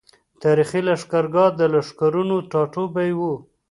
تاريخي لښکرګاه د لښکرونو ټاټوبی وو۔